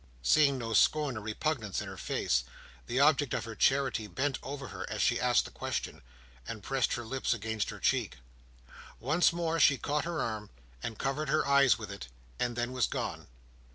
Seeing no scorn or repugnance in her face, the object of her charity bent over her as she asked the question, and pressed her lips against her cheek. Once more she caught her arm, and covered her eyes with it; and then was gone.